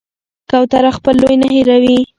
کوتره خپل لوری نه هېروي.